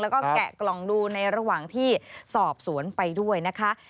แล้วก็แกะกล่องดูในระหว่างที่สอบสวนไปด้วยนะคะ